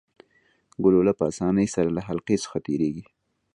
ګلوله په اسانۍ سره له حلقې څخه تیریږي.